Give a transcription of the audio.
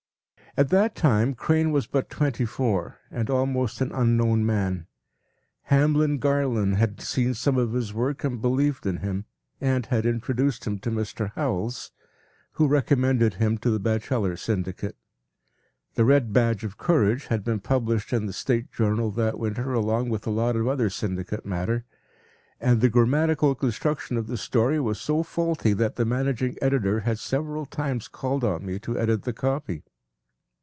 p> At that time Crane was but twenty four, and almost an unknown man. Hamlin Garland had seen some of his work and believed in him, and had introduced him to Mr. Howells, who recommended him to the Bacheller Syndicate. “The Red Badge of Courage” had been published in the State Journal that winter along with a lot of other syndicate matter, and the grammatical construction of the story was so faulty that the managing editor had several times called on me to edit the copy.